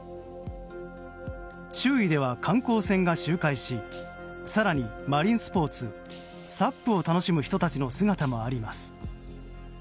周囲では観光船が周回し更にマリンスポーツＳＵＰを楽しむ人たちの姿もあります。